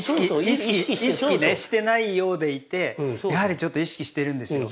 意識意識ねしてないようでいてやはりちょっと意識してるんですよ。